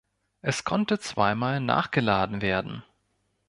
Es konnte zweimal nachgeladen werden.